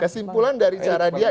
kesimpulan dari cara dia